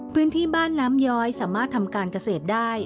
พื้นที่บ้านน้ำย้อยสามารถทำการเกษตรได้